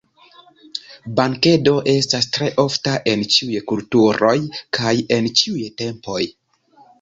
Bankedo estas tre ofta en ĉiuj kulturoj kaj en ĉiuj tempoj.